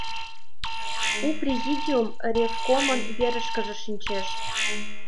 У Президиум Ревкомын верышкыже шинчеш.